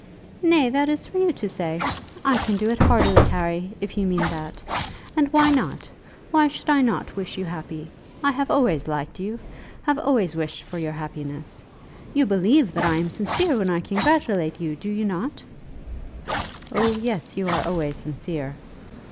"Nay; that is for you to say. I can do it heartily, Harry, if you mean that. And why not? Why should I not wish you happy? I have always liked you, have always wished for your happiness. You believe that I am sincere when I congratulate you; do you not?" "Oh, yes; you are always sincere."